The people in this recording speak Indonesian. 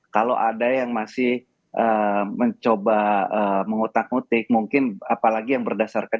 kalau ada yang masih mencoba mengutak ngutik mungkin apalagi yang berdasarkan